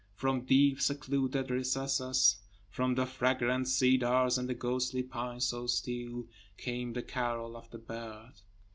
>From deep secluded recesses, >From the fragrant cedars and the ghostly pines so still, Came the carol of the bird.